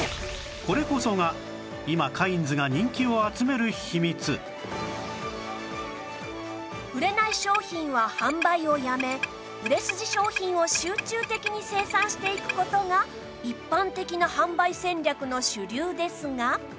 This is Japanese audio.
これこそが売れない商品は販売をやめ売れ筋商品を集中的に生産していく事が一般的な販売戦略の主流ですが